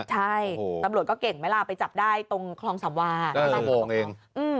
ใช่ตำรวจก็เก่งเมื่อลาไปจับได้ตรงคลองสัมวาตรงตรงตรง